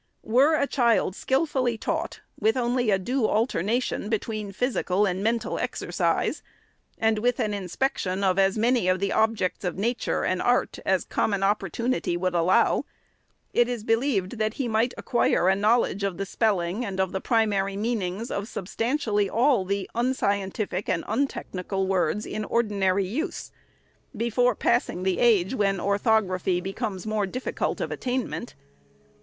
Were a child skilfully taught, with only a due alterna tion between physical and mental exercise, and with an inspection of as many of the objects of nature and art as common opportunity would allow, it is believed that he might acquire a knowledge of the spelling and of the primary meanings of substantially all the unscientific and untechnical words, in ordinary use, before passing the age when orthography becomes more difficult of attain ment.